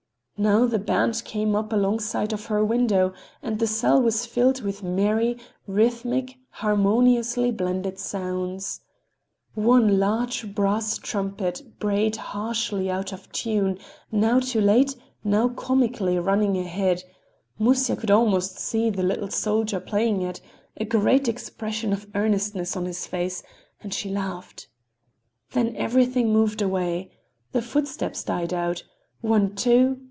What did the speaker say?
Now the band came up alongside of her window and the cell was filled with merry, rhythmic, harmoniously blended sounds. One large brass trumpet brayed harshly out of tune, now too late, now comically running ahead—Musya could almost see the little soldier playing it, a great expression of earnestness on his face—and she laughed. Then everything moved away. The footsteps died out—One—two!